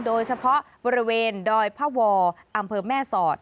โดยเฉพาะบริเวณดอยพวอำเภอแม่สอด